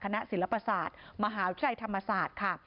คณะศิลปศาสตร์มหาวิชาไทยธรรมศาสตร์